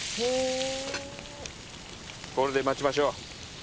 これで待ちましょう。